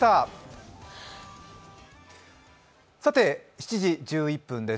７時１１分です。